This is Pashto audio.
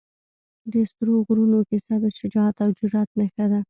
د سرو غرونو کیسه د شجاعت او جرئت نښه ده.